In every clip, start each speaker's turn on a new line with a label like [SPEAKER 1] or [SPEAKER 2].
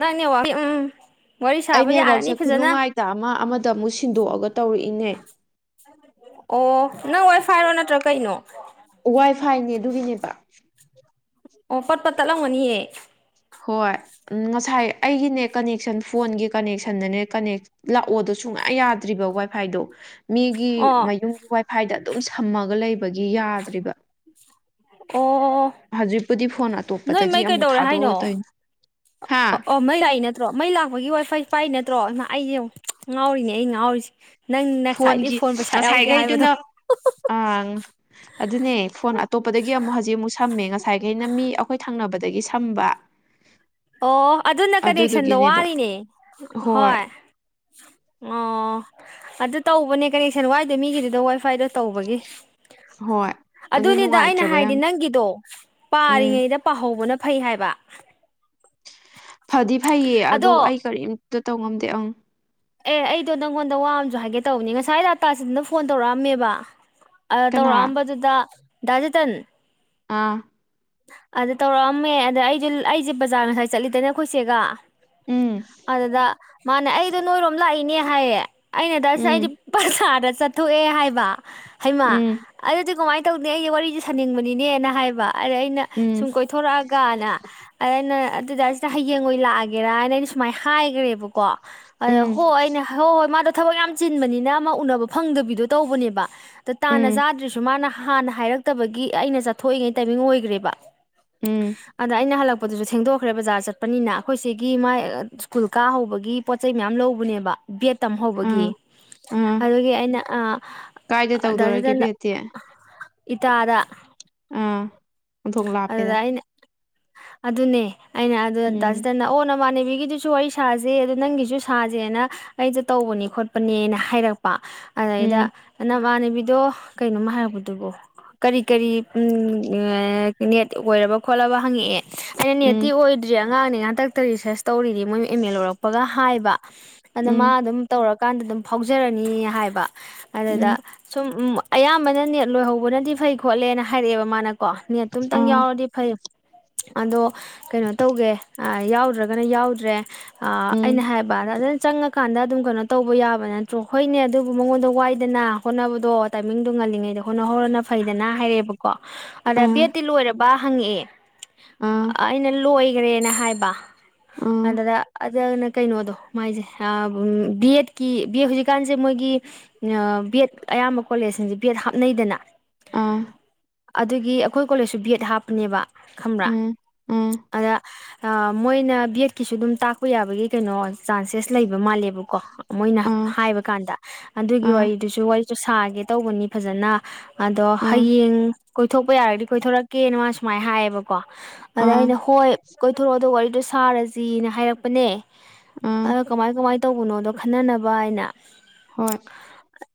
[SPEAKER 1] ꯅꯪ ꯅꯦꯋꯥꯛꯑꯦ ꯎꯝ ꯋꯥꯔꯤ
[SPEAKER 2] ꯑꯩ
[SPEAKER 1] ꯁꯥꯕ
[SPEAKER 2] ꯅꯦꯠꯋꯥꯛꯁꯦ
[SPEAKER 1] ꯌꯥꯔꯅꯤ ꯐꯖꯅ
[SPEAKER 2] ꯈꯨꯅꯨꯡꯉꯥꯏꯇ ꯑꯃ ꯑꯃꯗ ꯑꯃꯨꯛ ꯁꯤꯟꯗꯣꯛꯑꯒ ꯇꯧꯔꯛꯏꯅꯦ
[SPEAKER 1] ꯑꯣ ꯅꯪ ꯋꯥ ꯐꯥꯏꯔꯣ ꯅꯠꯇ꯭ꯔꯒ ꯀꯩꯅꯣ
[SPEAKER 2] ꯋꯥꯏ ꯐꯥꯏꯅꯦ ꯑꯗꯨꯒꯤꯅꯦꯕ
[SPEAKER 1] ꯑꯣ ꯄꯠꯄꯠ ꯇꯠꯂꯝꯒꯅꯤꯌꯦ
[SPEAKER 2] ꯍꯣꯏ ꯉꯁꯥꯏ ꯑꯩꯒꯤꯅꯦꯠ ꯀꯅꯦꯛꯁꯟ ꯐꯣꯟꯒꯤ ꯀꯅꯦꯛꯁꯟꯗꯅꯦ ꯀꯅꯦꯛ ꯂꯥꯛꯑꯣꯗꯣ ꯁꯨꯡꯉꯥ ꯌꯥꯗ꯭ꯔꯤꯕ ꯋꯥꯏ ꯐꯥꯏꯗꯣ ꯃꯤꯒꯤ
[SPEAKER 1] ꯑꯣ
[SPEAKER 2] ꯃꯌꯨꯝꯒꯤ ꯋꯥꯏꯐꯥꯏꯗ ꯑꯗꯨꯝ ꯁꯝꯃꯒ ꯂꯩꯕꯒꯤ ꯌꯥꯗ꯭ꯔꯤꯕ
[SPEAKER 1] ꯑꯣ
[SPEAKER 2] ꯍꯧꯖꯤꯛꯄꯨꯗꯤ ꯐꯣꯟ
[SPEAKER 1] ꯅꯣꯏ
[SPEAKER 2] ꯑꯇꯣꯞꯄꯗꯒꯤ
[SPEAKER 1] ꯃꯩ
[SPEAKER 2] ꯑꯃꯨꯛ
[SPEAKER 1] ꯀꯩꯗꯧꯔꯦ
[SPEAKER 2] ꯊꯥꯗꯣꯛꯑꯒ
[SPEAKER 1] ꯍꯥꯏꯅꯣ
[SPEAKER 2] ꯇꯧꯢ
[SPEAKER 1] ꯑꯣ ꯑꯣ ꯃꯩ ꯂꯥꯛꯏ ꯅꯠꯇ꯭ꯔꯣ ꯃꯩ ꯂꯥꯛꯄꯒꯤ ꯋꯥꯏ ꯐꯥꯏ ꯄꯥꯏ ꯅꯠꯇ꯭ꯔꯣ ꯍꯩꯃ ꯑꯩꯁꯦ ꯌꯦꯡꯉꯣ ꯉꯥꯎꯔꯤꯅꯦ ꯑꯩ ꯉꯥꯎꯔꯤꯁꯦ ꯅꯪ ꯉꯁꯥꯏꯗꯩ
[SPEAKER 2] ꯐꯣꯟꯒꯤ
[SPEAKER 1] ꯐꯣꯟ ꯄꯩꯁꯥ ꯌꯥꯎꯗꯦ ꯍꯥꯏꯕꯗꯣ
[SPEAKER 2] ꯑ ꯑꯗꯨꯅꯦ ꯐꯣꯟ ꯑꯇꯣꯞꯄꯗꯒꯤ ꯑꯃꯨꯛ ꯍꯧꯖꯤꯛ ꯑꯃꯨꯛ ꯁꯝꯃꯦ ꯉꯁꯥꯏꯈꯩꯅ ꯃꯤ ꯑꯩꯈꯣꯏ ꯊꯪꯅꯕꯗꯒꯤ ꯁꯝꯕ [inaudible]
[SPEAKER 1] ꯑꯣ ꯑꯗꯨꯅ ꯀꯅꯦꯛꯁꯟꯗꯣ
[SPEAKER 2] ꯑꯗꯨꯗꯨꯒꯤꯅꯦꯕ
[SPEAKER 1] ꯋꯥꯔꯤꯅꯦ ꯍꯣꯏ ꯑꯣ ꯑꯗꯨ ꯇꯧꯕꯅꯦ ꯀꯅꯦꯛꯁꯟ ꯋꯥꯏꯗ ꯃꯤꯒꯤꯗꯨꯗ ꯋꯥꯏꯐꯥꯏꯗꯣ ꯇꯧꯕꯒꯤ
[SPEAKER 2] ꯍꯣꯏ ꯑꯗꯨ
[SPEAKER 1] ꯑꯗꯨꯅꯤꯗ ꯑꯩꯅ
[SPEAKER 2] ꯅꯨꯡꯉꯥꯏꯇ꯭ꯔꯕ
[SPEAKER 1] ꯍꯥꯏꯗꯤ
[SPEAKER 2] ꯌꯥꯝ
[SPEAKER 1] ꯅꯪꯒꯤꯗꯣ
[SPEAKER 2] ꯎꯝ
[SPEAKER 1] ꯄꯥꯔꯤꯉꯩꯗ ꯄꯥꯍꯧꯕꯅ ꯐꯩ ꯍꯥꯏꯕ
[SPEAKER 2] ꯐꯗꯤ ꯐꯩꯌꯦ ꯑꯗꯣ ꯑꯩ ꯀꯔꯤꯝꯇ ꯇꯧꯉꯝꯗꯦ ꯑꯪ
[SPEAKER 1] ꯑꯦ ꯑꯩꯗꯣ ꯅꯪꯉꯣꯟꯗ ꯋꯥ ꯑꯃꯥꯁꯨ ꯍꯥꯏꯒꯦ ꯇꯧꯕꯅꯤ ꯉꯁꯥꯏ ꯑꯥꯇꯥꯁꯤꯗꯅ ꯐꯣꯟ ꯇꯧꯔꯛꯑꯝꯃꯦꯕ
[SPEAKER 2] ꯀꯅꯥ
[SPEAKER 1] ꯇꯧꯔꯛꯑꯝꯕꯗꯨꯗ ꯗꯥꯖꯤꯇꯟ
[SPEAKER 2] ꯑꯥ
[SPEAKER 1] ꯑꯗꯨꯗ ꯇꯧꯔꯛꯑꯝꯃꯦ ꯑꯗ ꯑꯩꯁꯦ ꯑꯩꯁꯦ ꯕꯖꯥꯔ ꯉꯁꯥꯏ ꯆꯠꯂꯤꯗꯅꯦ ꯑꯩꯈꯣꯏꯆꯦꯒ
[SPEAKER 2] ꯎꯝ
[SPEAKER 1] ꯑꯗꯨꯗ ꯃꯥꯅꯦ ꯑꯩ ꯁꯨꯝ ꯂꯥꯛꯏꯅꯦ ꯍꯥꯏꯌꯦ ꯑꯩꯅ ꯗꯥ ꯁꯤꯗꯟ ꯑꯩꯗꯤ
[SPEAKER 2] ꯎꯝ
[SPEAKER 1] ꯄ꯭ꯔꯁꯥꯔꯗ ꯆꯠꯊꯣꯛꯑꯦ ꯍꯥꯏꯕ ꯍꯩꯃ
[SPEAKER 2] ꯎꯝ
[SPEAKER 1] ꯑꯗꯨꯗꯤ ꯀꯃꯥꯏꯅ ꯇꯧꯅꯤ ꯑꯩꯒꯤ ꯋꯥꯔꯤꯁꯦ ꯁꯥꯅꯤꯡꯕꯅꯤꯅꯦ ꯍꯥꯏꯕ ꯑꯗ ꯑꯩꯅ
[SPEAKER 2] ꯎꯝ
[SPEAKER 1] ꯁꯨꯝ ꯀꯣꯏꯊꯣꯔꯛꯑꯒꯅ ꯑꯗ ꯑꯩꯅ ꯑꯗꯨꯗ ꯍꯌꯦꯡ ꯑꯣꯏꯅ ꯂꯥꯛꯑꯒꯦꯔ ꯍꯥꯏꯅ ꯑꯩꯅ ꯁꯨꯃꯥꯏꯅ ꯍꯥꯏꯈ꯭ꯔꯦꯕꯀꯣ ꯑꯗ
[SPEAKER 2] ꯎꯝ
[SPEAKER 1] ꯍꯣꯏ ꯑꯩꯅ ꯍꯣꯏ ꯍꯣꯏ ꯃꯥꯗꯣ ꯊꯕꯛ ꯌꯥꯝ ꯆꯤꯟꯕꯅꯤꯅ ꯑꯃ ꯎꯅꯕ ꯐꯪꯗꯕꯤꯗꯣ ꯇꯧꯕꯅꯦꯕ ꯑꯗꯣ ꯇꯥꯟꯅ
[SPEAKER 2] ꯎꯝ
[SPEAKER 1] ꯆꯥꯗ꯭ꯔꯤꯁꯨ ꯃꯥꯅ ꯍꯥꯟꯅ ꯍꯥꯏꯔꯛꯇꯕꯒꯤ ꯑꯩꯅ ꯆꯠꯊꯣꯛꯏꯉꯩ ꯇꯥꯏꯃꯤꯡ ꯑꯣꯏꯈ꯭ꯔꯦꯕ
[SPEAKER 2] ꯎꯝ
[SPEAKER 1] ꯑꯗ ꯑꯩꯅ ꯍꯜꯂꯛꯄ ꯍꯜꯂꯛꯄꯇꯨꯁꯨ ꯊꯦꯡꯗꯣꯛꯈ꯭ꯔꯦ ꯕꯖꯥꯔ ꯆꯠꯄꯅꯤꯅ ꯑꯩꯈꯣꯏ ꯁꯤꯒꯤ ꯃꯥꯥꯏ ꯁ꯭ꯀꯨꯜ ꯀꯥ ꯍꯧꯕꯒꯤ ꯄꯣꯠ ꯄꯣꯠꯆꯩ ꯃꯌꯥꯝ ꯂꯧꯕꯅꯦꯕ ꯕꯦꯠ ꯇꯝꯍꯧꯕꯒꯤ
[SPEAKER 2] ꯑꯥ ꯑꯥ
[SPEAKER 1] ꯑꯗꯨꯒꯤ ꯑꯩꯅ ꯑ
[SPEAKER 2] ꯀꯥꯏꯗ
[SPEAKER 1] ꯗꯥ
[SPEAKER 2] ꯇꯧꯗꯣꯔꯒꯦ
[SPEAKER 1] ꯁꯤꯇꯟꯅ
[SPEAKER 2] ꯕꯦꯠꯇꯤ ꯑꯥ
[SPEAKER 1] ꯏꯇꯗ
[SPEAKER 2] ꯑꯣꯟꯊꯣꯛ ꯂꯥꯞꯄꯦꯗ
[SPEAKER 1] ꯑꯗꯨꯗ ꯑꯩꯅ ꯑꯗꯨꯅꯦ ꯑꯩꯅ ꯑꯗꯨ
[SPEAKER 2] ꯎꯝ
[SPEAKER 1] ꯇꯁꯤꯗꯅ ꯑꯣ ꯅꯃꯥꯟꯅꯦꯕꯤꯒꯤꯗꯨꯁꯨ ꯋꯥꯔꯤ ꯁꯥꯁꯦ ꯑꯗꯣ ꯅꯪꯒꯤꯁꯨ ꯁꯨ ꯁꯥꯁꯦꯅ ꯑꯩꯁꯦ ꯇꯧꯕꯅꯦ ꯈꯣꯠꯄꯅꯦꯅ ꯍꯥꯏꯔꯛꯄ ꯑꯗꯨꯗꯩꯗ
[SPEAKER 2] ꯎꯝ
[SPEAKER 1] ꯏꯃꯥꯟꯅꯕꯤꯗꯣ ꯀꯩꯅꯣꯝꯃ ꯍꯥꯏꯔꯛꯄꯗꯨꯕꯣ ꯀꯔꯤ ꯀꯔꯤ ꯅꯦꯠ ꯑꯣꯏꯔꯕ ꯈꯣꯠꯂꯕ ꯍꯪꯉꯛꯑꯦ ꯑꯩꯅ
[SPEAKER 2] ꯎꯝ
[SPEAKER 1] ꯅꯦꯠꯇꯤꯕ ꯑꯣꯏꯗ꯭ꯔꯤ ꯑꯉꯥꯡꯅꯦ ꯍꯟꯇꯛꯇ ꯔꯤꯁꯔꯁ ꯇꯧꯔꯤꯗꯤ ꯃꯣꯏ ꯑꯦꯝ ꯑꯦ ꯂꯣꯏꯔꯛꯄꯒ ꯍꯥꯏꯕ ꯑꯗ ꯃꯥ
[SPEAKER 2] ꯎꯝ
[SPEAKER 1] ꯑꯗꯨꯝ ꯇꯧꯔꯀꯥꯟꯗ ꯑꯗꯨꯝ ꯐꯥꯎꯖꯔꯅꯤ ꯍꯥꯏꯕ ꯑꯗꯨꯗ
[SPEAKER 2] ꯎꯝ
[SPEAKER 1] ꯁꯨꯝ ꯑꯌꯥꯝꯕꯅ ꯅꯦꯠ ꯂꯣꯏꯍꯧꯕꯅꯗꯤ ꯐꯩ ꯈꯣꯠꯂꯦꯅ ꯍꯥꯏꯔꯛꯑꯦꯕ ꯃꯥꯅ ꯀꯣ ꯅꯦꯠꯇꯨ ꯑꯇꯪ
[SPEAKER 2] ꯑꯥ
[SPEAKER 1] ꯌꯥꯎꯔꯗꯤ ꯐꯩ ꯑꯗꯣ ꯀꯩꯅꯣ ꯇꯧꯒꯦ ꯌꯥꯎꯗ꯭ꯔꯒꯅ ꯌꯥꯎꯗ꯭ꯔꯦ
[SPEAKER 2] ꯎꯝ
[SPEAKER 1] ꯑꯩꯅ ꯍꯥꯏꯕ ꯑꯗ ꯑꯗꯨꯖꯅ ꯆꯪꯉ ꯀꯥꯟꯗ ꯑꯗꯨꯝ ꯀꯩꯅꯣ ꯇꯧꯕ ꯌꯥꯕ ꯅꯠꯇ꯭ꯔꯣ ꯍꯣꯏꯅꯦ ꯑꯗꯨꯕꯨ ꯃꯉꯣꯟꯗ ꯋꯥꯏꯗꯅ ꯍꯣꯠꯅꯕꯗꯣ ꯇꯥꯏꯃꯤꯡꯗꯨ ꯉꯜꯂꯤꯉꯩꯗ ꯍꯣꯠꯅ ꯍꯧꯔꯅ ꯐꯩꯗꯅ ꯍꯥꯏꯔꯛꯑꯦꯕꯀꯣ ꯑꯗꯥ
[SPEAKER 2] ꯑꯥ
[SPEAKER 1] ꯕꯦꯠꯇꯤ ꯂꯣꯏꯔꯕ ꯍꯪꯉꯛꯑꯦ
[SPEAKER 2] ꯑꯥ
[SPEAKER 1] ꯑꯩꯅ ꯂꯣꯏꯈ꯭ꯔꯦꯅ ꯍꯥꯏꯕ
[SPEAKER 2] ꯑꯥ
[SPEAKER 1] ꯑꯗꯨꯗ ꯀꯩꯅꯣꯗꯣ ꯃꯥꯏꯁꯦ ꯕꯤ ꯑꯦꯗꯀꯤ ꯕꯤ ꯑꯦ ꯍꯧꯖꯤꯛꯀꯥꯟꯁꯦ ꯃꯣꯏꯒꯤ ꯕꯦꯠ ꯑꯌꯥꯝꯕ ꯀꯣꯂꯦꯖꯁꯤꯡꯁꯦ ꯕꯦꯠ ꯍꯥꯞꯅꯩꯗꯅ
[SPEAKER 2] ꯑꯥ
[SPEAKER 1] ꯑꯗꯨꯒꯤ ꯑꯩꯈꯣꯏ ꯀꯣꯂꯦꯖꯁꯨ ꯕꯦꯠ ꯍꯥꯞꯄꯅꯦꯕ ꯈꯪꯕ꯭ꯔꯥ
[SPEAKER 2] ꯎꯝ ꯎꯝ
[SPEAKER 1] ꯑꯗ ꯃꯣꯏꯅ ꯕꯤ ꯑꯦꯠꯀꯤꯁꯨ ꯑꯗꯨꯝ ꯇꯥꯛꯄ ꯌꯥꯕꯒꯤ ꯀꯩꯅꯣ ꯆꯥꯟꯁꯦꯁ ꯂꯩꯕ ꯃꯥꯜꯂꯦꯕꯀꯣ ꯃꯣꯏꯅ
[SPEAKER 2] ꯑꯥ
[SPEAKER 1] ꯍꯥꯏꯕ ꯀꯥꯟꯗ ꯑꯗꯨꯒꯤ
[SPEAKER 2] ꯑꯥ
[SPEAKER 1] ꯋꯥꯔꯤꯗꯨꯁꯨ ꯋꯥꯔꯤ ꯁꯥꯒꯦ ꯇꯧꯕꯅꯤ ꯐꯖꯅ ꯑꯗꯣ
[SPEAKER 2] ꯑꯥ
[SPEAKER 1] ꯍꯌꯦꯡ ꯀꯣꯏꯊꯣꯛꯄ ꯌꯥꯔꯒꯗꯤ ꯀꯣꯏꯊꯣꯔꯛꯀꯦꯅ ꯃꯥ ꯁꯨꯃꯥꯏꯅ ꯍꯥꯏꯌꯦꯕꯀꯣ ꯑꯗ
[SPEAKER 2] ꯑꯥ
[SPEAKER 1] ꯑꯩꯅ ꯍꯣꯏ ꯀꯣꯏꯊꯣꯔꯛꯑꯣ ꯑꯗꯨꯒ ꯋꯥꯔꯤꯗꯣ ꯁꯥꯔꯁꯤꯅ ꯍꯥꯏꯔꯛꯄꯅꯦ
[SPEAKER 2] ꯑꯥ
[SPEAKER 1] ꯑꯗ ꯀꯃꯥꯏ ꯀꯃꯥꯏꯅ ꯇꯧꯕꯅꯣꯗꯣ ꯈꯟꯅꯅꯕ ꯑꯩꯅ
[SPEAKER 2] ꯍꯣꯏ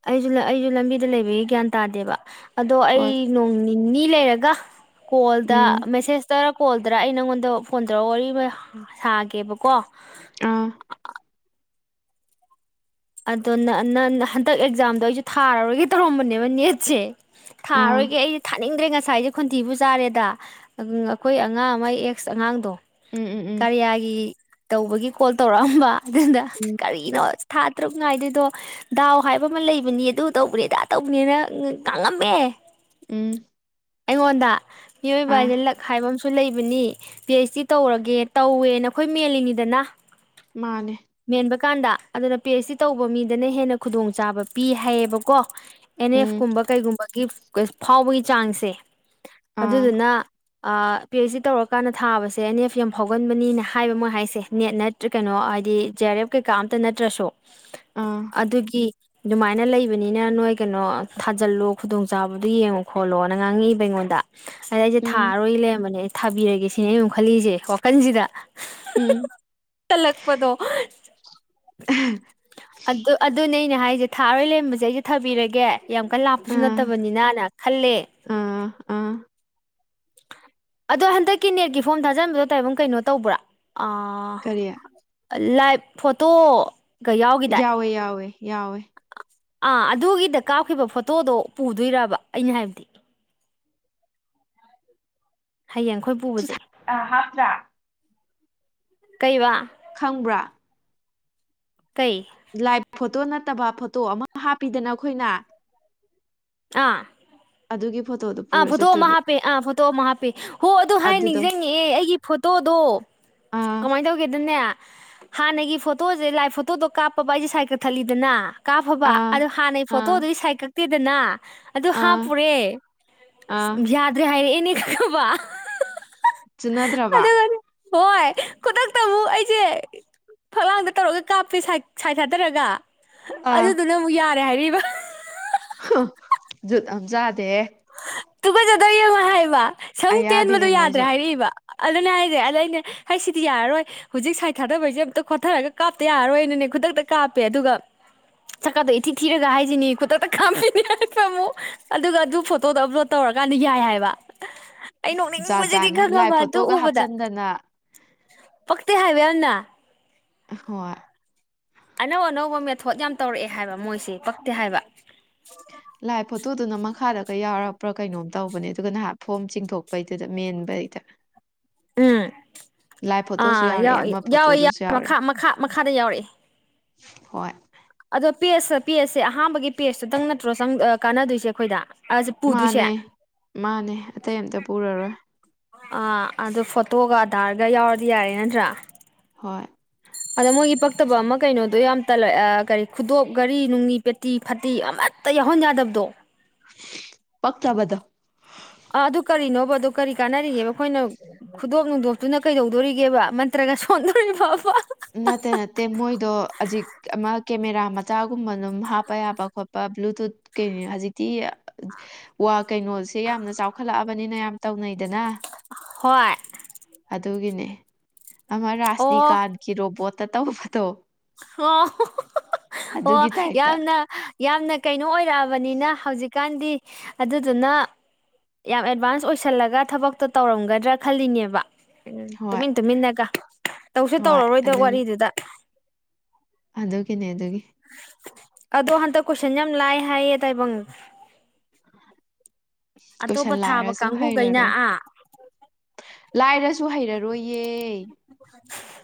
[SPEAKER 1] ꯑꯩꯁꯨ ꯑꯩꯁꯨ ꯂꯝꯕꯤꯗ ꯂꯩꯕꯒꯤ ꯒ꯭ꯌꯥꯟ ꯇꯥꯗꯦꯕ ꯑꯗꯣ ꯑꯩ
[SPEAKER 2] ꯍꯣꯏ
[SPEAKER 1] ꯅꯣꯡ ꯅꯤ ꯅꯤ ꯂꯩꯔꯒ ꯀꯣꯜꯗ
[SPEAKER 2] ꯎꯝ
[SPEAKER 1] ꯃꯦꯁꯦꯁ ꯇꯔ ꯀꯣꯜꯗꯔ ꯑꯩ ꯅꯪꯉꯣꯟꯗ ꯐꯣꯟ ꯇꯧꯔꯒ ꯋꯥꯔꯤ ꯁꯥꯒꯦꯕꯀꯣ
[SPEAKER 2] ꯑꯥ
[SPEAKER 1] ꯑꯗꯣ ꯅ ꯅ ꯍꯟꯗꯛ ꯑꯦꯛꯖꯥꯝꯗꯣ ꯑꯩꯁꯨ ꯊꯥꯔꯔꯣꯢꯒꯦ ꯇꯧꯔꯝꯕꯅꯦꯕ ꯅꯦꯠꯁꯦ
[SPEAKER 2] ꯑꯥ
[SPEAKER 1] ꯊꯥꯔꯣꯏꯒꯦ ꯑꯩꯁꯦ ꯊꯥꯅꯤꯡꯗ꯭ꯔꯦ ꯉꯁꯥꯏꯗꯤ ꯈꯣꯟꯇꯤꯕꯨ ꯆꯥꯔꯦꯗ ꯑꯩꯈꯣꯏ ꯑꯉꯥꯡ ꯑꯃ ꯑꯦꯛꯁ ꯑꯉꯥꯡꯗꯣ
[SPEAKER 2] ꯎꯝ ꯎꯝ ꯎꯝ
[SPEAKER 1] ꯀꯥꯔꯤꯌꯥꯒꯤ ꯇꯧꯕꯒꯤ ꯀꯣꯜ ꯇꯧꯔꯛꯑꯝꯕ ꯑꯗꯨꯗ
[SPEAKER 2] ꯎꯝ
[SPEAKER 1] ꯀꯔꯤꯅꯣ ꯇꯔꯨꯛ ꯅꯥꯏꯗꯣꯢꯗꯣ ꯗꯥꯎ ꯍꯥꯏꯕ ꯑꯃ ꯂꯩꯕꯅꯤ ꯑꯗꯨ ꯇꯧꯕꯅꯦ ꯑꯗꯥ ꯇꯧꯕꯅꯦꯅ ꯉꯥꯡꯉꯝꯃꯦ
[SPEAKER 2] ꯎꯝ
[SPEAKER 1] ꯑꯩꯉꯣꯟꯗ ꯃꯤꯑꯣꯏꯕ
[SPEAKER 2] ꯑꯥ
[SPEAKER 1] ꯍꯥꯏꯁꯦ ꯂꯛ ꯍꯥꯏꯕ ꯑꯃꯁꯨ ꯁ ꯂꯩꯕꯅꯤ ꯄꯤ ꯑꯩꯩꯆ ꯗꯤ ꯇꯧꯔꯒꯦ ꯇꯧꯋꯦ ꯅꯈꯣꯏ ꯃꯦꯜꯂꯤꯉꯤꯗꯅ
[SPEAKER 2] ꯃꯥꯅꯦ
[SPEAKER 1] ꯃꯦꯟꯕꯀꯥꯟꯗ ꯑꯗꯨꯅ ꯄꯤ ꯑꯩꯩꯆ ꯇꯧꯕ ꯃꯤꯗꯅ ꯍꯦꯟꯅ ꯈꯨꯗꯣꯡꯆꯥꯥꯕ ꯄꯤ ꯍꯥꯏꯌꯦꯕꯀꯣ ꯑꯦꯟ ꯑꯦꯐ
[SPEAKER 2] ꯎꯝ
[SPEAKER 1] ꯀꯨꯝꯕ ꯀꯩꯒꯨꯝꯕꯒꯤ ꯐꯥꯎꯕꯒꯤ ꯆꯥꯡꯁꯦ
[SPEAKER 2] ꯑꯥ
[SPEAKER 1] ꯑꯗꯨꯗꯨꯅ ꯄꯤ ꯑꯩꯆ ꯗꯤ ꯇꯧꯔꯀꯥꯟꯗ ꯊꯥꯕꯁꯦ ꯑꯦꯐ ꯌꯥꯝ ꯐꯥꯎꯒꯟꯕꯅꯤꯅ ꯍꯥꯏꯕ ꯃꯣꯏ ꯍꯥꯏꯁꯦ ꯅꯦꯠ ꯅꯠ ꯀꯩꯅꯣ ꯍꯥꯏꯗꯤ ꯖꯦ ꯑꯥꯔ ꯑꯦꯐ ꯀꯩꯀꯥ ꯑꯝꯇ ꯅꯠꯇ꯭ꯔꯁꯨ
[SPEAKER 2] ꯑꯥ
[SPEAKER 1] ꯑꯗꯨꯒꯤ ꯑꯗꯨꯃꯥꯏꯅ ꯂꯩꯕꯅꯤꯅ ꯅꯣꯏ ꯀꯩꯅꯣ ꯊꯥꯖꯤꯜꯂꯣ ꯈꯨꯗꯣꯡ ꯆꯥꯕꯗꯨꯣ ꯌꯦꯡꯉꯣ ꯈꯣꯠꯂꯣꯅ ꯉꯥꯡꯉꯛꯏꯕ ꯑꯩꯉꯣꯟꯗ ꯑꯗ ꯑꯩꯁꯦ
[SPEAKER 2] ꯎꯝ
[SPEAKER 1] ꯊꯥꯔꯔꯣꯏ ꯂꯩꯔꯝꯕꯅꯦ ꯑꯩ ꯊꯥꯕꯤꯔꯒꯦ ꯁꯤꯅꯦ ꯑꯩꯅꯨꯛ ꯈꯜꯂꯤꯁꯦ ꯋꯥꯈꯜꯁꯤꯗ
[SPEAKER 2] ꯎꯝ
[SPEAKER 1] ꯇꯜꯂꯛꯄꯗꯣ
[SPEAKER 2] [unintelligible]
[SPEAKER 1] ꯑꯗꯨ ꯑꯗꯨꯅꯦ ꯑꯩꯅ ꯍꯥꯏꯁꯦ ꯊꯥꯔꯣꯏ ꯂꯩꯔꯝꯕꯁꯦ ꯑꯩꯁꯦ ꯊꯥꯕꯤꯔꯒꯦ ꯌꯥꯝ ꯀꯟꯅ ꯂꯥꯞꯄꯁꯨ
[SPEAKER 2] ꯑꯥ
[SPEAKER 1] ꯅꯠꯇꯕꯅꯤꯅꯅ ꯈꯜꯂꯦ
[SPEAKER 2] ꯑꯥ [inaudible]
[SPEAKER 1] ꯑꯗꯣ ꯍꯟꯗꯛꯀꯤ ꯅꯦꯠꯀꯤ ꯐꯣꯝ ꯊꯥꯖꯟꯕꯗꯣ ꯇꯥꯏꯕꯪ ꯀꯩꯅꯣ ꯇꯧꯕ꯭ꯔꯥ
[SPEAKER 2] ꯀꯔꯤ
[SPEAKER 1] ꯂꯥꯏꯚ ꯐꯣꯇꯣꯒ ꯌꯥꯎꯈꯤꯗꯥꯏ
[SPEAKER 2] ꯌꯥꯎꯋꯦ ꯌꯥꯎꯋꯦ ꯌꯥꯎꯋꯦ
[SPEAKER 1] ꯑꯥ ꯑꯗꯨꯒꯤꯗ ꯀꯥꯞꯈꯤꯕ ꯐꯣꯇꯣꯗꯣ ꯄꯨꯗꯣꯏꯕ ꯑꯩꯅ ꯍꯥꯏꯕꯗꯤ ꯍꯌꯦꯡ ꯈꯣꯏ
[SPEAKER 2] ꯨ ꯍꯥꯞꯄ꯭ꯔꯥ
[SPEAKER 1] ꯀꯩꯕ
[SPEAKER 2] ꯈꯪꯕ꯭ꯔꯥ
[SPEAKER 1] ꯀꯩ
[SPEAKER 2] ꯂꯥꯏꯚ ꯐꯣꯇꯣ ꯅꯠꯇꯕ ꯐꯣꯇꯣ ꯑꯃ ꯍꯥꯞꯄꯤꯗꯅ ꯑꯩꯈꯣꯏꯅ
[SPEAKER 1] ꯑꯥ
[SPEAKER 2] ꯑꯗꯨꯒꯤ ꯐꯣꯇꯣꯗꯣ
[SPEAKER 1] ꯑꯥ
[SPEAKER 2] ꯄꯨꯔ
[SPEAKER 1] ꯐꯣꯇꯣ ꯑꯃ
[SPEAKER 2] ꯆꯠꯇꯣꯏꯕ
[SPEAKER 1] ꯍꯥꯞꯄꯦ ꯑꯥ ꯐꯣꯇꯣ ꯑꯃ ꯍꯥꯞꯄꯦ ꯍꯣ ꯑꯗꯨ ꯍꯥꯏ
[SPEAKER 2] ꯑꯗꯨꯗꯣ
[SPEAKER 1] ꯅꯤꯡꯖꯪ ꯉꯛꯑꯦ ꯑꯩꯒꯤ ꯐꯣꯇꯣꯗꯣ
[SPEAKER 2] ꯑꯥ
[SPEAKER 1] ꯀꯃꯥꯏ ꯇꯧꯒꯦꯗꯅꯦ ꯍꯥꯟꯅꯒꯤ ꯐꯣꯇꯣꯁꯦ ꯂꯥꯏꯚ ꯐꯣꯇꯣꯗꯣ ꯀꯥꯞꯄꯕ ꯑꯩꯁꯦ ꯁꯥꯏ ꯀꯠꯊꯠꯂꯤꯗꯅ ꯀꯥꯞꯐꯕ
[SPEAKER 2] ꯑꯥ
[SPEAKER 1] ꯑꯗꯨ ꯍꯥꯟꯅꯩ
[SPEAKER 2] ꯑꯥ
[SPEAKER 1] ꯐꯣꯇꯣꯗꯨꯗꯤ ꯁꯥꯏ ꯀꯛꯇꯦꯗꯅ ꯑꯗꯨ
[SPEAKER 2] ꯑꯥ
[SPEAKER 1] ꯍꯥꯞꯄꯨꯔꯦ
[SPEAKER 2] ꯑꯥ
[SPEAKER 1] ꯌꯥꯗ꯭ꯔꯦ ꯍꯥꯏꯔꯑꯦꯅꯦ ꯈꯉꯕꯥ
[SPEAKER 2] ꯆꯨꯅꯗ꯭ꯔꯕ
[SPEAKER 1] ꯑꯗꯨꯒꯅꯦ ꯍꯣꯏ ꯈꯨꯗꯛꯇ ꯑꯃꯨꯛ ꯑꯩꯁꯦ ꯐꯛꯂꯥꯡꯗ ꯇꯧꯔꯒ ꯀꯥꯞꯇꯦ ꯁꯥꯏꯠ ꯁꯥꯏ ꯊꯥꯗꯔꯒ
[SPEAKER 2] ꯑꯥ
[SPEAKER 1] ꯑꯗꯨꯗꯨꯅ ꯑꯃꯨꯛ ꯌꯥꯔꯦ ꯍꯥꯏꯔꯛꯏꯕ
[SPEAKER 2] ꯍꯨꯡ ꯖꯨꯠ ꯑꯝ ꯆꯥꯗꯦꯌꯦ
[SPEAKER 1] ꯇꯨꯀꯖꯗ꯭ꯔꯥ ꯌꯦꯉꯣ ꯍꯥꯏꯕ ꯁꯝ
[SPEAKER 2] ꯑꯌꯥꯕꯤꯅꯦ
[SPEAKER 1] ꯇꯦꯟꯕꯗꯣ ꯌꯥꯗ꯭ꯔꯦ
[SPEAKER 2] ꯃꯣꯏꯁꯨ
[SPEAKER 1] ꯍꯥꯏꯔꯛꯏꯕ ꯑꯗꯨꯅꯦ ꯍꯥꯏꯁꯦ ꯑꯗ ꯑꯩꯅꯦ ꯑꯩ ꯁꯤꯗꯤ ꯌꯥꯔꯔꯣꯏ ꯍꯧꯖꯤꯛ ꯁꯥꯏ ꯊꯥꯗꯕꯩꯁꯦ ꯑꯝꯇ ꯈꯣꯠꯊꯔꯒ ꯀꯥꯞꯇ ꯌꯥꯔꯔꯣꯏꯅꯅꯦ ꯈꯨꯗꯛꯇ ꯀꯥꯞꯄꯦ ꯑꯗꯨꯒ ꯁꯛꯀꯥꯗꯣ ꯏꯊꯤ ꯊꯤꯔꯒ ꯍꯥꯏꯁꯤꯅꯤ ꯈꯨꯗꯛꯇ ꯀꯥꯞꯄꯤꯅꯤ ꯍꯥꯏꯕ ꯑꯃꯨꯛ ꯑꯗꯨꯒ ꯑꯗꯨ ꯐꯣꯇꯣꯗꯣ ꯑꯞꯂꯣꯠ ꯇꯧꯔꯀꯥꯟꯗ ꯌꯥꯏ ꯍꯥꯏꯕ ꯑꯩ
[SPEAKER 2] ꯖꯥꯠ
[SPEAKER 1] ꯅꯣꯛꯅꯤꯡꯕꯁꯤꯗꯤ
[SPEAKER 2] ꯖꯥꯠꯅꯤ ꯂꯥꯏ
[SPEAKER 1] ꯈꯪꯉꯕ ꯑꯗꯨ
[SPEAKER 2] ꯐꯣꯇꯣꯒ
[SPEAKER 1] ꯎꯕꯗ
[SPEAKER 2] ꯍꯥꯞꯆꯟꯗꯅ
[SPEAKER 1] ꯄꯛꯇꯦ ꯍꯥꯏꯕ ꯌꯥꯝꯅ
[SPEAKER 2] ꯑꯍꯣꯏ
[SPEAKER 1] ꯑꯅꯧ ꯑꯅꯧꯕ ꯃꯦꯊꯣꯠ ꯌꯥꯝ ꯇꯧꯔꯛꯑꯦ ꯍꯥꯏꯕ ꯃꯣꯏꯁꯦ ꯄꯛꯇꯦ ꯍꯥꯏꯕ
[SPEAKER 2] ꯂꯥꯏꯞ ꯐꯣꯇꯣꯗꯨꯅ ꯃꯈꯥꯗꯒ ꯌꯥꯎꯔꯛꯄ꯭ꯔꯥ ꯀꯩꯅꯣꯝ ꯇꯧꯕꯅꯦ ꯑꯗꯨꯒ ꯅꯍꯥꯟ ꯐꯣꯝ ꯆꯤꯡꯊꯣꯛꯄꯩꯗꯨꯗ ꯃꯦꯟꯕꯩꯗ [unintelligible]
[SPEAKER 1] ꯎꯝ
[SPEAKER 2] ꯂꯥꯏ ꯐꯣꯇꯣꯁꯨ
[SPEAKER 1] ꯑꯥ ꯌꯥꯎ
[SPEAKER 2] ꯌꯥꯎꯔꯛꯑꯦ ꯑꯃ
[SPEAKER 1] ꯌꯥꯎꯏ ꯌꯥꯎ
[SPEAKER 2] ꯐꯣꯇꯣꯗꯨꯁꯨ
[SPEAKER 1] ꯃꯈꯥ
[SPEAKER 2] ꯌꯥꯎꯔꯛꯑꯦ
[SPEAKER 1] ꯃꯈꯥ ꯃꯈꯥꯗ ꯌꯥꯎꯔꯏ
[SPEAKER 2] ꯍꯣꯏ
[SPEAKER 1] ꯑꯗꯣ ꯄꯦꯖ ꯄꯦꯖꯁꯦ ꯑꯍꯥꯟꯕꯒꯤ ꯄꯦꯖꯇꯨꯇꯪ ꯅꯠꯇ꯭ꯔꯣ ꯆꯪ ꯑ ꯀꯥꯟꯅꯗꯣꯏꯁꯦ ꯑꯩꯈꯣꯏꯗ ꯄꯨꯗꯣꯏꯁꯦ
[SPEAKER 2] ꯃꯥꯅꯦ ꯃꯥꯅꯦ ꯑꯇꯩ ꯑꯝꯇ ꯄꯨꯔꯔꯣꯏ
[SPEAKER 1] ꯑꯥ ꯑꯗꯨ ꯐꯣꯇꯣꯒ ꯑꯙꯥꯔꯒ ꯌꯥꯎꯔꯗꯤ ꯌꯥꯔꯦ ꯅꯠꯇ꯭ꯔꯥ
[SPEAKER 2] ꯍꯣꯏ
[SPEAKER 1] ꯑꯗ ꯃꯣꯏꯒꯤ ꯄꯛꯇꯕ ꯑꯃ ꯀꯩꯅꯣꯗꯣ ꯌꯥꯝ ꯇꯂ ꯑꯥ ꯀꯔꯤ ꯈꯨꯗꯣꯞ ꯘꯔꯤ ꯅꯨꯡꯅꯤ ꯄꯦꯠ ꯇꯤ ꯐꯠꯇꯤ ꯑꯃꯠꯇ ꯌꯥꯎꯍꯟ ꯌꯥꯗꯕꯗꯣ
[SPEAKER 2] ꯄꯛꯇꯕꯗꯣ
[SPEAKER 1] ꯑ ꯑꯗꯨ ꯀꯔꯤꯅꯣꯕ ꯑꯗꯨ ꯀꯔꯤ ꯀꯥꯟꯅꯔꯤꯒꯦꯕ ꯑꯩꯈꯣꯏꯅ ꯈꯨꯗꯣꯛ ꯅꯨꯡꯗꯣꯛꯇꯨꯅ ꯀꯩꯗꯧꯗꯣꯔꯤꯒꯦꯕ ꯃꯟꯇ꯭ꯔꯒ ꯁꯣꯟꯗꯣꯏꯕꯕ
[SPEAKER 2] ꯅꯠꯇꯦ ꯅꯠꯇꯦ ꯃꯣꯏꯗꯣ ꯍꯧꯖꯤꯛ ꯑꯃ ꯀꯦꯃꯦꯔꯥ ꯃꯆꯥꯒꯨꯝꯕ ꯑꯗꯨꯝ ꯍꯥꯞꯄ ꯌꯥꯕ ꯈꯣꯠꯄ ꯕ꯭ꯂꯨꯇꯨꯠ ꯀꯩꯅꯤ ꯍꯧꯖꯤꯛꯇꯤ ꯋꯥ ꯀꯩꯅꯣꯁꯦ ꯌꯥꯝꯅ ꯆꯥꯎꯈꯠꯂꯛꯑꯕꯅꯤꯅ ꯌꯥꯝ ꯇꯧꯅꯩꯗꯅ
[SPEAKER 1] ꯍꯣꯏ
[SPEAKER 2] ꯑꯗꯨꯒꯤꯅꯦ ꯑꯃ
[SPEAKER 1] ꯑꯣ
[SPEAKER 2] ꯔꯥꯖꯅꯤꯀꯥꯟꯒꯤ ꯔꯣꯕꯣꯠꯇ ꯇꯧꯕꯗꯣ
[SPEAKER 1] ꯑꯣ ꯑꯣ
[SPEAKER 2] ꯑꯗꯨꯒꯤ ꯇꯥꯏꯞꯇ
[SPEAKER 1] ꯌꯥꯝꯅ ꯌꯥꯝꯅ ꯀꯩꯅꯣ ꯑꯣꯏꯔꯛꯑꯕꯅꯤꯅ ꯍꯧꯖꯤꯛꯀꯥꯟꯗꯤ ꯑꯗꯨꯗꯨꯅ ꯌꯥꯝ ꯑꯦꯗꯚꯥꯟꯁ ꯑꯣꯏꯁꯜꯂꯒ ꯊꯕꯛꯇꯣ ꯇꯧꯔꯝꯒꯗ꯭ꯔꯥ ꯈꯜꯂꯤꯅꯦꯕ ꯎꯝ
[SPEAKER 2] ꯍꯣꯏ
[SPEAKER 1] ꯇꯨꯃꯤꯟ ꯇꯨꯃꯤꯟꯅꯒ ꯇꯧꯁꯨ
[SPEAKER 2] ꯍꯣꯏ
[SPEAKER 1] ꯇꯧꯔꯔꯣꯏꯗꯧ
[SPEAKER 2] ꯑꯗꯨꯒꯤ
[SPEAKER 1] ꯋꯥꯔꯤꯗꯨꯗ
[SPEAKER 2] ꯑꯗꯨꯒꯤꯅꯦ ꯑꯗꯨꯒꯤ
[SPEAKER 1] ꯑꯗꯣ ꯍꯟꯇꯛ ꯀꯣꯏꯁꯟ ꯌꯥꯝ ꯂꯥꯏ ꯍꯥꯏꯌꯦ ꯇꯥꯏꯕꯪ ꯑꯇꯣꯞꯄ
[SPEAKER 2] ꯀꯣꯏꯁꯟ
[SPEAKER 1] ꯊꯥꯕ
[SPEAKER 2] ꯂꯥꯏꯔꯁꯨ
[SPEAKER 1] ꯀꯥꯡꯕꯨꯈꯩꯅ
[SPEAKER 2] ꯍꯩꯔꯔꯣꯏ
[SPEAKER 1] ꯑꯥ
[SPEAKER 2] ꯂꯥꯏꯔꯁꯨ ꯍꯩꯔꯔꯣꯏꯌꯦ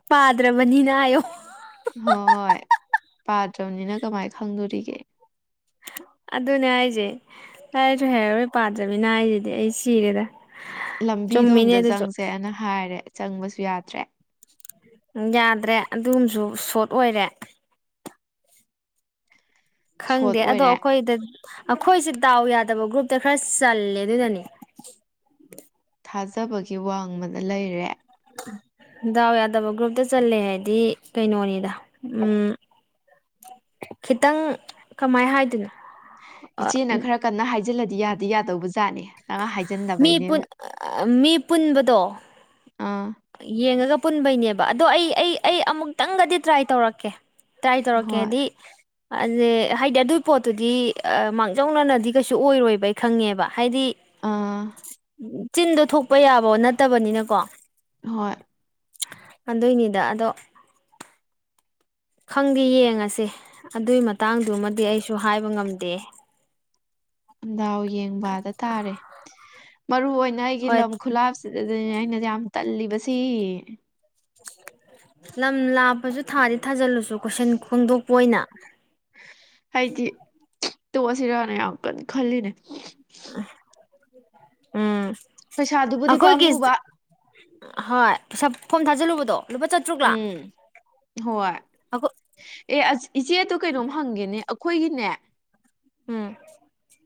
[SPEAKER 1] ꯄꯥꯗ꯭ꯔꯕꯅꯤꯅ ꯍꯥꯏꯌꯣ
[SPEAKER 2] ꯍꯣꯏ ꯄꯥꯗ꯭ꯔꯕꯅꯤꯅ ꯀꯃꯥꯏꯅ ꯈꯪꯗꯧꯔꯤꯒꯦ
[SPEAKER 1] ꯑꯗꯨꯅꯦ ꯍꯥꯢꯁꯦ ꯑꯩꯁꯨ ꯍꯩꯔꯔꯣꯏ ꯄꯥꯗ꯭ꯔꯃꯤꯅ ꯑꯩꯁꯤꯗꯤ ꯑꯩ ꯁꯤꯔꯦꯗ
[SPEAKER 2] ꯂꯝꯕꯤꯗꯣ
[SPEAKER 1] ꯆꯨꯝꯃꯤꯅꯦ
[SPEAKER 2] ꯑꯝꯇ
[SPEAKER 1] ꯑꯗꯨꯁꯨ
[SPEAKER 2] ꯆꯪꯁꯦꯅ ꯍꯥꯏꯔꯦ ꯆꯪꯕꯁꯨ ꯌꯥꯗ꯭ꯔꯦ
[SPEAKER 1] ꯌꯥꯗ꯭ꯔꯦ ꯑꯗꯨꯝꯁꯨ ꯁꯣꯔꯠ ꯑꯣꯏꯔꯦ
[SPEAKER 2] ꯁꯣꯠ
[SPEAKER 1] ꯈꯪꯗꯦ ꯑꯗꯣ
[SPEAKER 2] ꯑꯣꯏꯔꯦ
[SPEAKER 1] ꯑꯩꯈꯣꯏꯗ ꯑꯩꯈꯣꯏꯁꯦ ꯗꯥꯎ ꯌꯥꯗꯕ ꯒ꯭ꯔꯨꯞꯇ ꯈꯔ ꯆꯜꯂꯦ ꯑꯗꯨꯗꯅꯅꯦ
[SPEAKER 2] ꯊꯥꯖꯕꯒꯤ ꯋꯥꯡꯃꯗ ꯂꯩꯔꯦ
[SPEAKER 1] ꯗꯥꯎ ꯌꯥꯗꯕ ꯒ꯭ꯔꯨꯞꯇ ꯆꯜꯂꯦ ꯍꯥꯏꯗꯤ ꯀꯩꯅꯣꯅꯤꯗ ꯎꯝ
[SPEAKER 2] [inaudible]
[SPEAKER 1] ꯈꯤꯇꯪ ꯀꯃꯥꯏ ꯍꯥꯏꯗꯣꯏꯅꯣ
[SPEAKER 2] ꯏꯆꯦꯅ ꯈꯔ ꯀꯟꯅ ꯍꯥꯏꯖꯤꯜꯂꯗꯤ ꯌꯥꯗꯤ ꯌꯥꯗꯧꯕ ꯖꯥꯠꯅꯦ ꯅ
[SPEAKER 1] ꯃꯤ ꯄꯨꯟ
[SPEAKER 2] ꯍꯥꯏꯖꯤꯟꯗꯕꯩꯅꯦꯕ
[SPEAKER 1] ꯃꯤ ꯄꯨꯟꯕꯗꯣ
[SPEAKER 2] ꯑꯥ
[SPEAKER 1] ꯌꯦꯡꯉꯒ ꯄꯨꯟꯕꯩꯅꯦꯕ ꯑꯗꯣ ꯑꯩ ꯑꯩ ꯑꯩ ꯑꯃꯨꯛꯇꯪꯒꯗꯤ ꯇ꯭ꯔꯥꯏ ꯇꯧꯔꯛꯀꯦ ꯇ꯭ꯔꯥꯢ
[SPEAKER 2] ꯍꯣꯏ
[SPEAKER 1] ꯇꯧꯔꯛꯀꯦꯗꯤ ꯑ ꯍꯥꯏꯗꯤ ꯑꯗꯨꯒꯤ ꯄꯣꯠꯇꯨꯗꯤ ꯃꯥꯡꯖꯧꯅꯅꯗꯤ ꯀꯩꯁꯨ ꯑꯣꯏꯔꯣꯏꯕ ꯑꯩ ꯈꯪꯉꯦꯕ ꯍꯥꯏꯗꯤ
[SPEAKER 2] ꯑꯥ
[SPEAKER 1] ꯆꯤꯟꯗꯣ ꯊꯣꯛꯄ ꯌꯥꯕ ꯅꯠꯇꯕꯅꯤꯅꯀꯣ
[SPEAKER 2] ꯍꯣꯏ
[SPEAKER 1] ꯀꯗꯣꯏꯅꯤꯗ ꯑꯗꯣ ꯈꯪꯗꯦ ꯌꯦꯡꯉꯁꯦ ꯑꯗꯨꯏ ꯃꯇꯥꯡꯗꯨꯃꯗꯤ ꯑꯩꯁꯨ ꯍꯥꯏꯕ ꯉꯝꯗꯦ
[SPEAKER 2] ꯗꯥꯎ ꯌꯦꯡꯕ ꯍꯥꯢꯗꯨ ꯇꯥꯔꯦ ꯃꯔꯨ ꯑꯣꯏꯅ ꯑꯩꯒꯤ
[SPEAKER 1] ꯍꯣꯏ
[SPEAKER 2] ꯂꯝ ꯈꯨꯂꯥꯞ ꯑꯗꯨꯅꯦ ꯑꯩꯅꯗꯤ ꯌꯥꯝ ꯇꯜꯂꯤꯕꯁꯤ
[SPEAKER 1] ꯎꯝ [unintelligible] ꯂꯝ ꯂꯥꯞꯄꯁꯨ ꯊꯥꯗꯤ ꯊꯥꯖꯤꯜꯂꯨꯆꯣ ꯀꯣꯏꯁꯟ ꯈꯣꯡꯗꯣꯛꯄ ꯑꯣꯏꯅ
[SPEAKER 2] ꯑꯩꯗꯤ ꯇꯣꯛꯑꯁꯤꯔꯅ ꯌꯥꯝ ꯀꯟꯅ ꯈꯜꯂꯤꯅꯦ
[SPEAKER 1] ꯎꯝ
[SPEAKER 2] ꯄꯩꯁꯥꯗꯨꯕꯨꯗꯤ
[SPEAKER 1] ꯑꯩꯈꯣꯏꯒꯤ
[SPEAKER 2] ꯄꯥꯝꯃꯨꯕ
[SPEAKER 1] ꯍꯣꯏ ꯄꯩꯁꯥ ꯐꯣꯝ ꯊꯥꯖꯤꯜꯂꯨꯕꯗꯣ ꯂꯨꯄꯥ ꯆ
[SPEAKER 2] ꯎꯝ ꯍꯣꯏ
[SPEAKER 1] ꯑꯩꯈꯣꯏ
[SPEAKER 2] ꯑꯦ ꯑꯁ ꯏꯆꯦ ꯑꯗꯨ ꯀꯩꯅꯣꯝ ꯍꯪꯒꯦꯅꯦ ꯑꯩꯈꯣꯏꯒꯤꯅꯦ
[SPEAKER 1] ꯎꯝ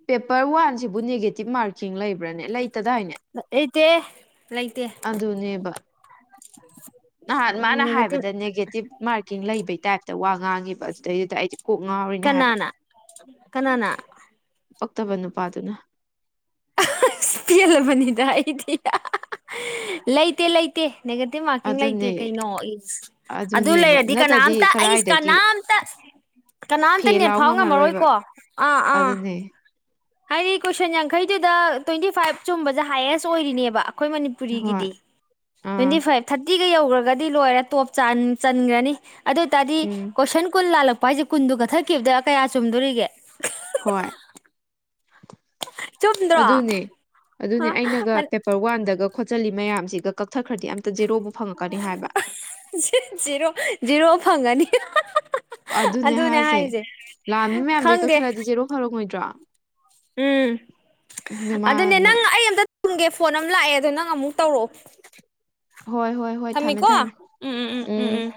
[SPEAKER 2] ꯄꯦꯄꯔ ꯋꯥꯟꯁꯤꯕꯨ ꯅꯦꯒꯦꯇꯤꯞ ꯃꯥꯔꯀꯤꯡ ꯂꯩꯕ꯭ꯔꯥꯅꯦ ꯂꯩꯇꯗꯥꯏꯅꯦ
[SPEAKER 1] ꯂꯩꯇꯦ ꯂꯩꯇꯦ
[SPEAKER 2] ꯑꯗꯨꯅꯦꯕ
[SPEAKER 1] [inaudible]
[SPEAKER 2] ꯅꯍꯥꯟ ꯃꯥꯅ
[SPEAKER 1] ꯅꯦꯒꯦꯇꯤꯞ
[SPEAKER 2] ꯍꯥꯏꯕꯗ ꯅꯦꯒꯦꯇꯤꯞ ꯃꯥꯔꯀꯤꯡ ꯂꯩꯕꯩ ꯇꯥꯏꯞꯇ ꯋꯥ ꯉꯥꯡꯉꯦꯕ ꯑꯗꯩꯗꯨꯗ ꯑꯩꯗꯤ ꯀꯣꯛ ꯉꯥꯎꯔꯤꯅꯦ ꯍꯥꯏꯕ
[SPEAKER 1] ꯀꯅꯥꯅ ꯀꯅꯥꯅ
[SPEAKER 2] ꯄꯛꯇꯕ ꯅꯨꯄꯥꯗꯨꯅ
[SPEAKER 1] ꯑꯁ ꯄꯦꯜꯂꯕꯅꯤꯗ ꯑꯩꯗꯤ ꯂꯩꯇꯦ ꯂꯩꯇꯦ ꯅꯦꯒꯦꯇꯤꯞ ꯃꯥꯔꯀꯤꯡ ꯂꯩꯇꯦ
[SPEAKER 2] ꯑꯗꯨꯅꯦ
[SPEAKER 1] ꯀꯩꯅꯣ ꯏꯁ ꯑꯗꯨ
[SPEAKER 2] ꯑꯗꯨꯅꯦꯕ
[SPEAKER 1] ꯂꯩꯔꯗꯤ
[SPEAKER 2] ꯅꯠꯇꯗꯤ
[SPEAKER 1] ꯀꯅꯥꯝꯇ ꯑꯩꯁ
[SPEAKER 2] ꯀꯗꯥꯏꯗꯒꯤ
[SPEAKER 1] ꯀꯅꯥꯝꯇ ꯀꯅꯥꯝꯇ
[SPEAKER 2] ꯐꯦ
[SPEAKER 1] ꯅꯦꯠ
[SPEAKER 2] ꯂꯥꯎ
[SPEAKER 1] ꯐꯥꯎ
[SPEAKER 2] ꯉꯝꯃꯔꯣꯏꯕ
[SPEAKER 1] ꯉꯝꯃꯔꯣꯏꯀꯣ ꯑꯥ ꯑꯥ
[SPEAKER 2] ꯑꯗꯨꯅꯦ
[SPEAKER 1] ꯍꯥꯏꯗꯤ ꯀꯣꯏꯁꯟ ꯌꯥꯡꯈꯩꯗꯨꯗ ꯇ꯭ꯋꯦꯟꯇꯤ ꯐꯥꯏꯚ ꯆꯨꯝꯕꯁꯦ ꯍꯥꯏꯌꯦꯁ ꯑꯣꯏꯔꯤꯅꯦꯕ ꯑꯩꯈꯣꯏ ꯃꯅꯤ
[SPEAKER 2] ꯍꯣꯏ
[SPEAKER 1] ꯃꯅꯤꯄꯨꯔꯤꯒꯤꯗꯤ ꯇ꯭ꯋꯦꯟꯇꯤ
[SPEAKER 2] ꯑꯥ
[SPEAKER 1] ꯐꯥꯏꯚ ꯊꯥꯔꯇꯤꯒ ꯌꯧꯈ꯭ꯔꯒꯗꯤ ꯂꯣꯏꯔꯦ ꯇꯣꯞ ꯆꯟꯈ꯭ꯔꯅꯤ ꯑꯗꯨ ꯑꯣꯏ ꯇꯥꯔꯗꯤ
[SPEAKER 2] ꯎꯝ
[SPEAKER 1] ꯀꯣꯏꯁꯟ ꯀꯨꯟ ꯂꯥꯜꯂꯛꯄ ꯍꯥꯏꯁꯦ ꯀꯨꯟꯗꯨ ꯀꯠꯊꯛꯈꯤꯕꯗ ꯀꯌꯥ ꯆꯨꯝꯗꯣꯔꯤꯒꯦ
[SPEAKER 2] ꯍꯣꯏ
[SPEAKER 1] ꯆꯨꯝꯗ꯭ꯔꯣ
[SPEAKER 2] ꯑꯗꯨꯅꯦ ꯑꯗꯨꯅꯦ ꯑꯩꯅꯒ ꯔ ꯋꯥꯟꯗꯒ ꯈꯣꯠꯆꯜꯂꯤ ꯃꯌꯥꯝꯁꯤꯒ ꯀꯛꯊꯠꯈ꯭ꯔꯗꯤ ꯑꯝꯇ ꯖꯦꯔꯣꯕꯨ ꯐꯪꯉꯛꯀꯅꯤ ꯍꯥꯏꯕ
[SPEAKER 1] ꯖꯤ ꯖꯤꯔꯣ ꯖꯤꯔꯣ ꯐꯪꯉꯅꯤ
[SPEAKER 2] ꯑꯗꯨꯅꯦ ꯍꯥꯏꯁꯦ ꯂꯥꯟꯕ ꯃꯌꯥꯝꯗꯨꯏ
[SPEAKER 1] ꯈꯪꯗꯦ
[SPEAKER 2] ꯀꯛꯊꯠꯂꯗꯤ ꯖꯦꯔꯣ ꯐꯪꯉꯣꯏꯗ꯭ꯔꯣ
[SPEAKER 1] ꯎꯝ ꯑꯗꯨꯅꯦ
[SPEAKER 2] ꯃꯥꯅ
[SPEAKER 1] ꯅꯪ ꯑꯩ ꯑꯝꯇ [inaudible] ꯒꯦ ꯐꯣꯟ ꯑꯃ ꯂꯥꯛꯑꯦ ꯑꯗꯣ ꯅꯪ ꯑꯃꯨꯛ ꯇꯧꯔꯛꯑꯣ
[SPEAKER 2] ꯍꯣꯏ ꯍꯣꯏ ꯍꯣꯏ ꯊꯝꯃꯦ
[SPEAKER 1] ꯊꯝꯃꯦꯀꯣ
[SPEAKER 2] ꯊꯝꯃꯦ
[SPEAKER 1] ꯎꯝ ꯎꯝ ꯎꯝ ꯎꯝ ꯎꯝ